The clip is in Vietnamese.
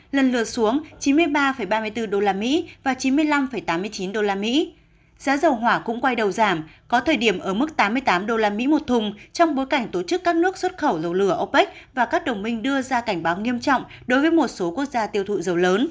lần lượt xuống chín mươi ba ba mươi bốn usd và chín mươi năm tám mươi chín usd giá dầu hỏa cũng quay đầu giảm có thời điểm ở mức tám mươi tám usd một thùng trong bối cảnh tổ chức các nước xuất khẩu dầu lửa opec và các đồng minh đưa ra cảnh báo nghiêm trọng đối với một số quốc gia tiêu thụ dầu lớn